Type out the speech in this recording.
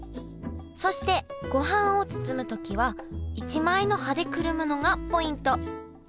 そしてごはんを包む時は一枚の葉でくるむのがポイント。